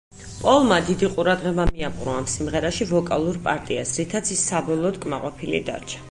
პოლმა დიდი ყურადღება მიაპყრო ამ სიმღერაში ვოკალურ პარტიას, რითაც ის საბოლოოდ კმაყოფილი დარჩა.